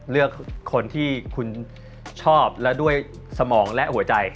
เลือกคนที่คุณชอบและด้วยสมองและหัวใจ